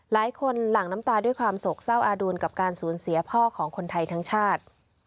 หลังน้ำตาด้วยความโศกเศร้าอาดูลกับการสูญเสียพ่อของคนไทยทั้งชาติ